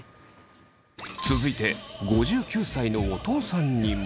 続いて５９歳のお父さんにも。